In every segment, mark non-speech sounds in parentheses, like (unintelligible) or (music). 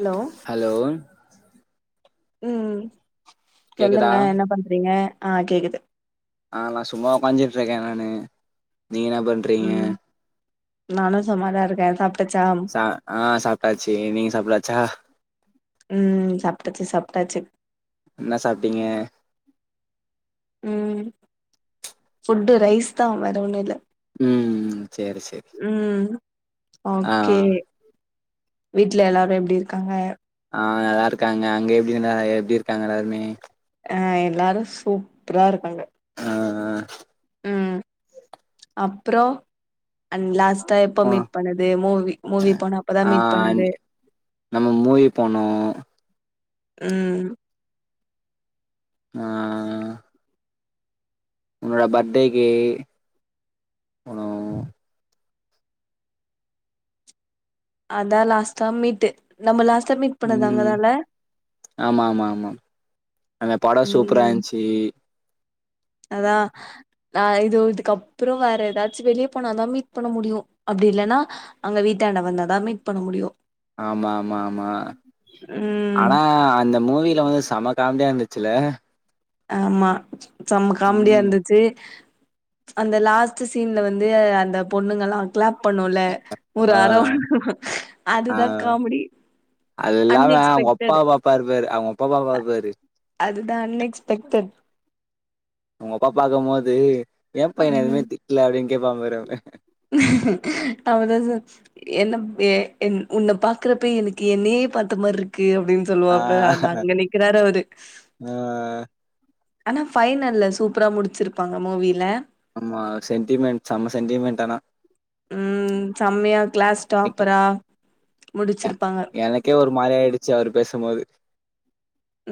Hello hello உம் கேக்குதா சொல்லுங்க என்ன பண்றீங்க ஆ கேக்குது ஆ நா சும்மா உக்காஞ்ச்சிட்டுருக்கே நானு நீங்க என்ன பண்றீங்க ம் நானு சும்மாதா இருக்கே சாப் சா ஆ சாப்ட்டாச்சு நீங்க சாப்லாச்சா ம் சாப்ட்டாச்சு சாப்ட்டாச்சு என்னா சாப்ட்டீங்க உம் ஃபுட்டு ரைஸ்தா வேற ஒன்னு இல்ல உம் செரி செரி ம் ஆ ஓகே வீட்ல எல்லாரு எப்டி இருக்காங்க ஆ நல்லா இருக்காங்க அங்க எப்டி இனா எப்டி இருக்காங்க எல்லாருமே ஆ எல்லாரு சூப்பரா இருக்காங்க அ ஆ உம் அப்புறோ அண்ட் லாஸ்ட் தா எப்ப ஆ மீட் பண்ணது மூவி மூவி போனப்பதா ஆ மீட் பண்ணது நம்ம மூவி போனோ உம் ஆ உன்னோட பர்த்டேக்குப் போனோ உம் அதா லாஸ்ட்டா மீட்டு நம்ப லாஸ்ட் உம் ஆமா ஆமா ஆமா அவே படோ ம் சூப்பராயீந்ச்சி அதா ஆ இதோ இதுக்கப்புறோ வேற எதாச்சு வெளியே போனாதா மீட் பண்ண முடியு அப்டி இல்லனா அங்க வீட்டாண்ட வந்தாதா மீட் பண்ண முடியோ ஆமா ஆமா ஆமா ம் ஆனா அந்த மூவியில வந்து செமக் காமடியா இருந்து ச்சில்ல ஆமா செம்ம காமெடியா இருந்துச்சு அந்த லாஸ்ட் சீன்ல வந்து அந்த பொண்ணுகெல்லா கிளாப் பண்ணுல்ல ஒரு ஆ அர வாங்கு ஆ அதுதா காமெடி அது அன் இல்லாம அவங்க அப்பா எக்ஸ்பெக்டட் பாப்பாரு பாரு அவங்க அப்பா பாப்பாரு பாரு அதுதா அன் எக்ஸ் த்த உங்க அப்பா பாக்கும் போது ஏன் பையன எதுமே ம் திட்ல அப்டின்னு கேப்பான் பாரு அவன் (unintelligible) என்ன எ என் உன்ன பாக்கறப்ப எனக்கு என்னையே பாத்த மாதிரி இருக்கு அப்டின்னு ஆ சொல்லுவாப்ல அதா அங்க நிக்கிறாரு அவுரு ஆனா பைனல்ல சூப்பரா முடிச்சிருப்பாங்க மூவில ஆமா சென்டிமென்ட் செம சென்டிமென்ட் ஆனா ம் செம்மையா கிளாஸ் நிக்கி டாப்பரா அ முடிச்சிருப்பாங்க. எனக்கே ஒரு மாதிரி ஆயிடுச்சி அவரு பேசும்போது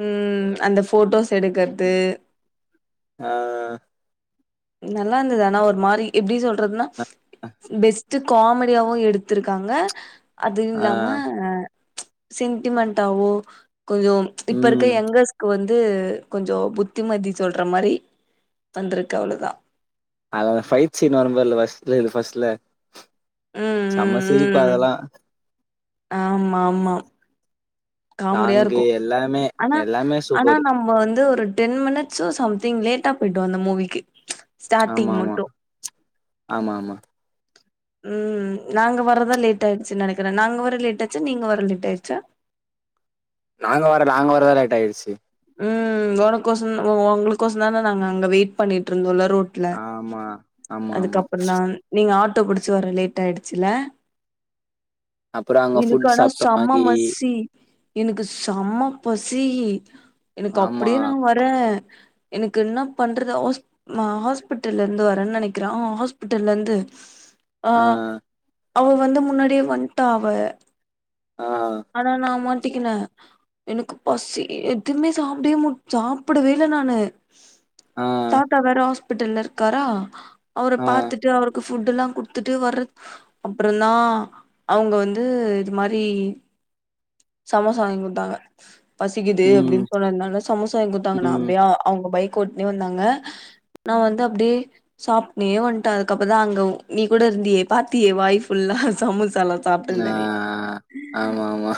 உம் அந்த போட்டோஸ் எடுக்கறது ஆஹ் நல்லா இருந்தது ஆனா ஒரு மாரி எப்டி சொல்ற றதுனா (unintelligible) த்து காமெடியாவு எடுத்துருக்காங்க அது ஆ இல்லாம சென்டிமென்ட்டாவோ கொஞ்சோ இப்ப இருக்கற ம் எங்கர்ஸ்க்கு வந்து வந்து கொஞ்சோ புத்திமதி சொல்ற மாரி வந்துருக்கு க்கு அவ்ளோதா அதல பைட் சீன் வரும் இல்ல. ஃப்ஸ்ட் ஃபர்ஸ்ட் ல ம், செம்ம சிரிப்பா ம், ம். அதெல்லா ஆமா ஆமா காமெடியா சாங்கு இருக்கு எல்லாமே ஆனா எல்லாமே ஆனா சூப்பர் நம்ம வந்து ஒரு டென் மினிட்ஸ் சம்திங் லேட்டா போயிட்டோ அந்த மூவிக்கு ஆமா ஸ்டார்ட்டிங் ஆமா மட்டும். ஆமா ஆமா உம் நாங்க வரதுதா லேட் ஆயிடுச்சுன்னு நெனைக்கிறே நாங்க வர லேட் ஆச்ச நீங்க வர லேட் ஆயிடுச்சா நாங்க வர நாங்க வரதா லேட்டாயிடுச்சி ம் உனக்கு ஒசரம் உங்களுக்கு ஒசரம் தானே நாங்க அங்க வெயிட் பண்ணிட்டு இருந்தோல்ல ரோட்ல ஆமா ஆமா ஆமா அதுக்கப்புறோ தா நீங்க ஆட்டோ புடிச்சு வர லேட் ஆயிடுச்சுல அப்புறோ அங்க எனக்கு ஃபுட் ஆனா சாப்ட்டோ செம்ம வாங்கி மசி எனக்கு செம பசி சீ எனக்கு ஆமா அப்டியே நா வர எனக்கு என்ன பண்றது ஹாஸ் நா ஹாஸ்பிட்டல்ல இருந்து வரேன் நனைக்கிற ஆ ஹாஸ்பிட்டல்ல இருந்து ஆ அவ வந்து முன்னாடியே வண்ட்டா அவ ஆ ஆனா நா மட் ட்டிக்குன எனக்கு பசி எதுமே சாப்டே சாப்டவே இல்ல நானு ஆ தாத்தா வேற ஹாஸ் பிட்டல்ல இருக்காரா அவர ஆ பாத்துட்டு அவருக்கு ஃபுட்டு்ல்லா குடுத்துட்டு வர்றது அப்புறந்தா அவங்க வந்து இது மாரி சமசா வாங்கி குட்த்தாங்க பசிக்குது அப்டின் ம் சொன்னதுனால சமோ ம் கூட்டுனே வந்தாங்க நா வந்து அப்டியே சாப்னே வண்ட்ட அதுக்கப்ப தா அங்க நீ கூட இருந்தியே பாத்தியே வாய் ஃபுல்லா சமோஸ் ஆ ஆமா ஆமா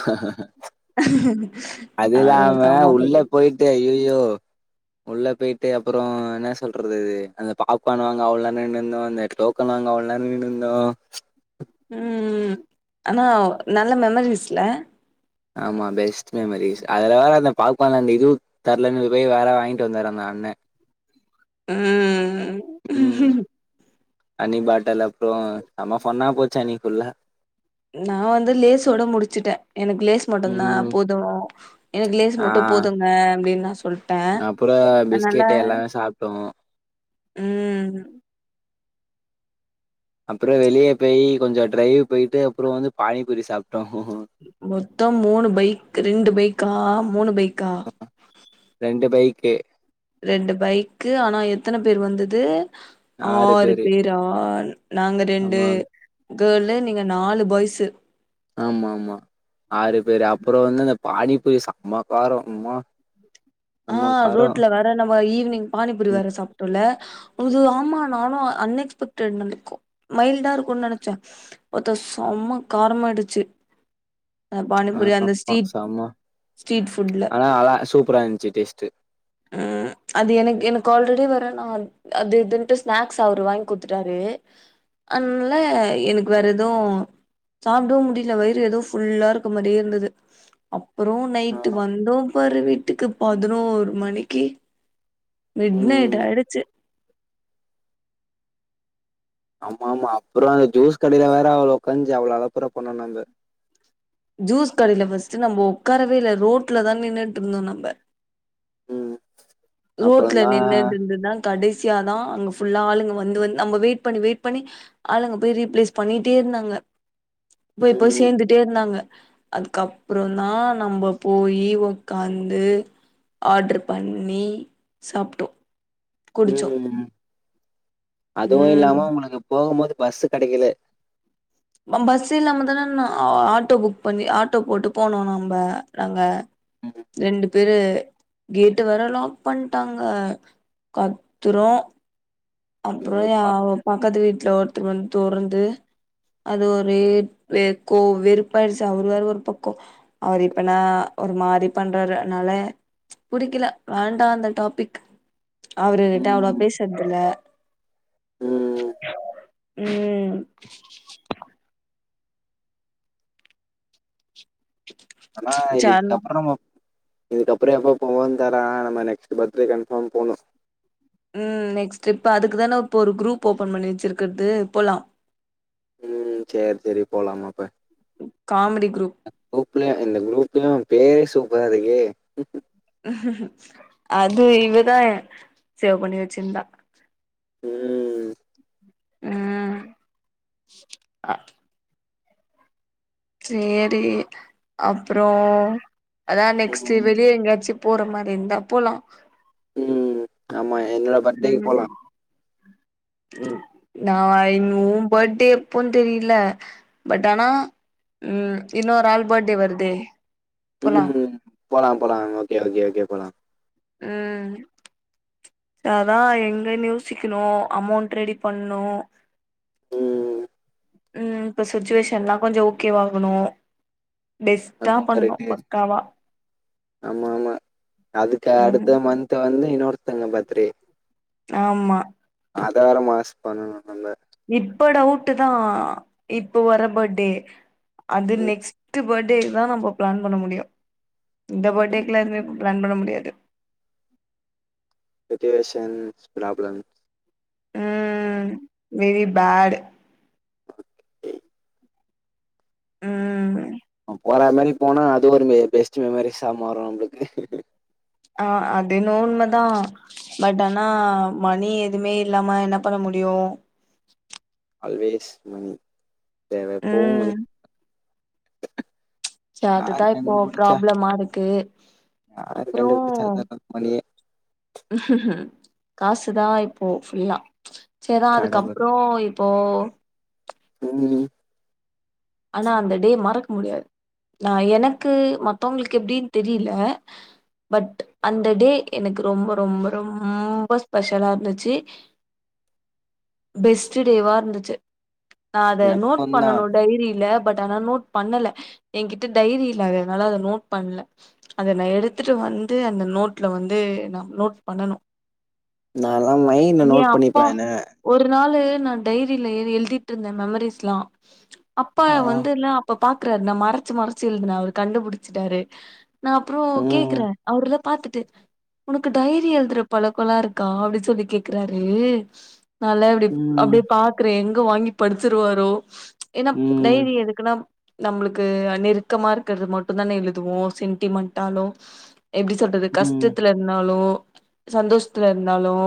அது ஒரு இல்லாம செம உள்ள பைய போய்ட்டு அய்யயோ யோ உள்ள போய்ட்டு அப்புறோ என்ன சொல்றது இது அந்த பாப்கார்ன் வாங்க அவ்ளோ (unintelligible) நந்தோம் அந்த டோக்கன் வாங்க அவ்ளோ நேரோ நின்னுந்தோ ம் ஆனா நல்ல மெமரிஸ்ல ஆமா பெஸ்ட் மெமரிஸ் அதுல வேற அந்த பாப்கான்ல அந்த இதுவு தர்லன்னு போய் வேற வாங்கிட்டு வந்தாரு அந்த அண்ண ம் ம் அண்ணி பாட்டல் அப்றோ செம ஃபன்னா போச்சு அன்னீக்குள்ள நா வந்து லேசோட முடிச்சுட்ட எனக்கு லேஸ் மட்டுந்தா ம் போது எனக்கு லேஸ் மட்டு ஆ போதுங்க அப்டின்‌ நா சொல்ட்ட அப்புறோ அன்னால பிஸ்கெட் எல்லாமே சாப்ட்டோ ம் அப்றோ வெளிய பேய் கொஞ்சோ ட்ரைவ் போய்ட்டு அப்றோ வந்து பானிபூரி சாப் மொத்தம் மூணு பைக் ரெண்டு பைக் தா மூனு பைக்கா ரெண்டு பைக்கு ரெண்டு பைக்கு ஆனா எத்தன பேர் வந்தது ஆறு பேரா நாங்க ரெண்டு ஆமா கேர்ளு நீங்க நாலு பாய்ஸு ஆமா ஆமா ஆறு பேரு அப்புறோ வந்து அது பானிபூரி செம்ம காரோ ம்மா ஆ ரோட்ல வேற நம் ஈவினிங் பானிபுரி ம் வேற சாப்டோல்ல உது ஆமா நானு அன்எக்ஸ்பெக்டட் நனைக்கொ மைல்டா இருக்குன் நெனச்சே ஒருத்த சம காரமாயிடுச்சு அ பானிபூரி அந்த ஆமாமா ஸ்ட்ரீட் செம ஸ்ட்ரீட் ஃபுட்ல ஆனா அல்ல சூப்பரா இருன்சு டேஸ் டு உஹம் அது எனக்கு எனக்கு ஆல்ரெடி வேற நா அது இதுன்டு ஸ்நாக்ஸ் அவரு வாங்கி குடுத்துட்டாரு அதனால எனக்கு வேற எதுவு சாப்டவு முடியல வயிறு ஏதோ ஃபுல்லா இருக்க மாரியே ருந்தது அப்றோ ஆ. நைட்டு் வந்தோம் ப்பரு வீட்டுக்கு பதினோரு மணிக்கு மிட்னைட் ம் ஆயிடுச்சு ஆமாமா அப்பற ஜூஸ் கடையில வேற அவள உகாஞ்சு அவ்ளோ அலப்பற பண்ணனு அந்த ஜூஸ் கடையில ஃபர்ஸ்ட் நம்ம உக்காரவே இல்ல ரோட்ல தா நின்னுட்டுருந்தோம் நம்ப ம் ரோட்ல அப்புறந்தா நின்னு நின்னுதா கடைசியாதா ஃபுல்லா ஆளுங்க வந்து வந்து நம்ம வெயிட் பண்ணி வெயிட் பண்ணி ஆளுங்க போய் ரீப்ளேஸ் பண்ணிட்டே ருந்தாங்க போய்ப்போய் ம் சேந்துட்டே இருந்தாங்க அதுக்கப்பற தா நம்ம போயி உக்காந்து ஆட்ரு பண்ணி சாப்டோ உம் அதுவும் இல்லாம ம் ஒனக்கு போகும் போது பஸ்ஸு கெடைக்கல பஸ் இல்லாம தான ஆட்டோ புக் பண்ணி ஆட்டோ போட்டு போனோ நம்ப நாங்க ரெண்டு (unintelligible) கேட்டு வேற லாக் பண்டாங்க கத்துரோ அப்றோ ஐயோப்பா பக்கத்து வீட்டுல ஒருத்தக வந்து தொறந்து அது ஒரே வெ கோ வெறுப்பாயிடுச்சு அவரு வே ஒரு பக்கம் அவர் இப்பனா ஒரு மாரி பண்றாருனால புடிக்கல வேண்டா அந்த டாபிக் அவரு கிட்ட அவ்ளோ ம் பேஸ்றதில்ல ம் உம் ஆனா சர்ணா இதுக்கப்ற நம இதுக்கப்பற எப்ப போவோனு தரே நம்ம நெக்ஸ்ட் பத்டே கன்ஃபாம் போணு உம் நெக்ஸ்ட் இப்ப அதுக்குதான இப்ப ஒரு குரூப் ஓபன் பண்ணி வச்சிருக்கிறது போலாம் உம் செரி செரி போலாமப்ப காமெடி குரூப் குரூப்ல இந்த குரூப்லய பேலயர்ஸு (unintelligible) அது இவதா சேவ் பண்ணி வச்சிருந்தா உம் உம் அ சேரி, அப்றோ அதா நெக்ஸ்ட் ம் வெளிய எங்கயாச்சு போற மாரி இருந்தா போலா ம் ஆமா என்னோட பர்த் டேக்கு போலா ம் நா இன் உ பர்த்டே எப்போன்னு தெரில பட் ஆனா, ம் இன்னொரு ஆள் பர்த்டே வருதே போலா ம் போலா போலா, ஓகே ஓகே ஓகே போலா, ம். அதா எங்கனு யோசிக்ணு அமோண்ட் ரெடி பண்னு ம் ம். இப்ப சுச்சுவேஷன்லா கொஞ்சோ ஓகேவாகணு பெஸ்ட்டா அதுவு பண்ணு கரெக்ட்டு பக்காவா ஆமா ஆமா. அதுக்கு ம் அடுத்த மந்த் வந்து இன்னொ தங்க பாத்ரி ஆமா அதார எ மனசு பண்ணணு மல்ல இப்ப டவுட்டுதா இப்ப வர பர்டே அது ம் நெக்ஸ்ட்டு பர் ட்டேதா நம்ம பிளான் பண்ண முடியு இந்த பர்த்டேக்லா எதுமே பிளான் பண்ண முடியாது சுச்சுவேஷன்ஸ் ப்ராப்ளம் ம் வெரி பேட் ம் நம போற மாரி போனா அது ஒரு மெ பெஸ்ட் மெமரிஸா மாறு நம்ளுக்கு ஆ அதென்னவோ உண்மதா பட் ஆனா மணி எதுமே இல்லாம என்ன பண்ண முடியு ஆல்வேஸ் மணி தேவ எப்பவு மணி ம் சே யாரு அதுதா இப்போ கண்டுபுடிச்சா ப்ராப்ளமா இருக்கு யாரு அப்றோ கண்டுபுடிச்சா தர்றது மணியே காசுதா இப்போ ஃபுல்லா சேர்ரா அதுக்கப்ற இப்போ என்னலி ஆனா அந்த டே மறக்க முடியாது நா எனக்கு மத்தவங்களுக்கு எப்டின் தெரில பட் அந்த டே எனக்கு ரொம்ப ரொம்ப ரொம்ப ஸ்பெஷலா இருந்துச்சு பெஸ்ட் டேவா இருந்துச்சு நா அத நோட் எனக்குந்தா பண்ணணு டைரி பட் ஆனா நோட் பண்ணல எங்கிட்ட டைரி இல்லாததனால அத நோட் பண்ல அத நா எடுத்துட்டு வந்து அந்த நோட்ல வந்து நா நோட் பண்ணனு நாலா மைண்ட்ல ஏ நோட் பண்ணிப்ப அப்பா என ஒரு நாளு நா டைரில எ எழுதிட்ருந்த மெமரிஸ்லா அப்பா ஆ வந்து இல்ல அப்ப பாக்குறாரு நான் மறைச்சு மறைச்சு இழுதுண்ணா அவரு கண்டுபிடிச்சிட்டாரு நான் அப்புறம் ம் கேக்குறேன் அவர்தான் பாத்துட்டு உனக்கு டைரி எழுதுற பழக்கலா இருக்கா அப்டி சொல்லி கேக்குறாரு நல்லா இப்டி அப்டி ம் பாக்குறேன் வாங்கி படிச்சுருவாரோ ஏன்னா ம் டைரி எதுக்குலாம் நம்மளுக்கு நெருக்கமா இருக்கிறது மட்டும் தானே எழுதுவோம் சென்டிமெண்டாலும் எப்டி சொல்றது ம் கஷ்டத்துல இருந்தாலோ சந்தோஷத்துல இருந்தாலும்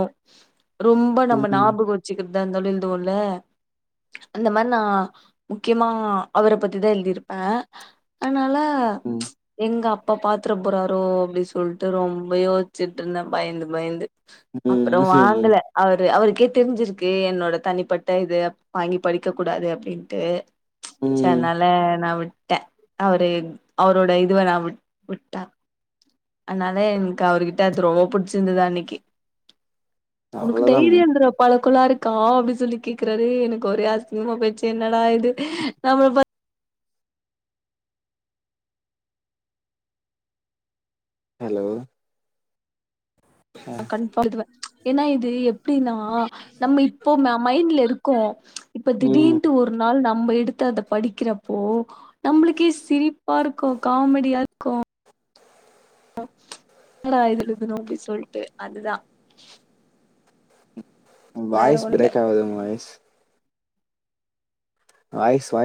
ரொம்ப நம்ம ம் ஞாபகம் வச்சுக்கு தான் தொழில் தூரல அந்த மாதிரி நான் முக்கியமா அவர பத்திதான் எழுதிருப்பேன் அதனால ம் எங்க அப்பா பாத்திர போறாரோ அப்படி சொல்லிட்டு ரொம்ப யோசிச்சுட்டு இருந்தேன் பயந்து பயந்து அப்புறம் ம் வாங்கல அவரு அவரு அக்கே தெரிஞ்சிருக்கு என்னோட தனிப்பட்ட இத வாங்கி படிக்க கூடாது அப்படின்னு ட்டு ச்ச ம் அதனாலே நா விட் விட்டேன் அவரு அவரோட இதுவ நான் வி விட்டேன் அதனால எனக்கு அவருர்கிட்ட அது ரொம்ப புிடிச்சிருந்தது அன்னைக்கு உனக்கு அவ்ளோதா டையரியழுதுர பழ (unintelligible) அப்டின்னு சொல்லி கேக்குறாரு எனக்கு ஒரே ஆசிங்கமா போச்சு என்னடா இது நம்ம ப ஹலோ அ கன்ஃபார்ம் இதுவ என்னா இது அப்டினா நம்ம இப்போ மைண்ட்ல இருக்கோம் இப்ப ம் திடீன்ட்டு ஒரு நாள் நம் நம்ம எடுத்து அத படிக்கிறப்போ நம்மளுக்கே சிரிப்பா இருக்கும் காமெடியா இருக்கும் என்னடா எழுதனோனு அப்டி சொல்லிட்டு அதுதான் வாய்ஸ் பிரேக் ஆகுது உங்க வாய்ஸ் வாய்ஸ் வாய்